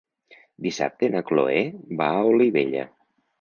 Dissabte na Chloé va a Olivella.